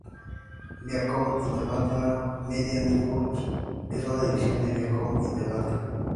Viacom International Media Networks es una división de Viacom International.